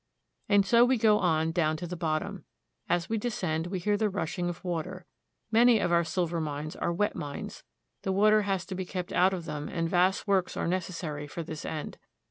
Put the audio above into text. And so we go on down to the bottom. As we descend we hear the rushing of water. Many of our silver mines are wet mines. The water has to be kept out of them, and vast works are necessary for this end.